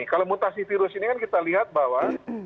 kalau mutasi virus ini kan kita lihat bahwa